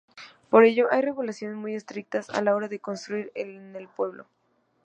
Por ello, hay regulaciones muy estrictas a la hora de construir en el pueblo.